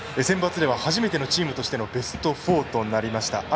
センバツでは初めてのチームとしてのベスト４となりました。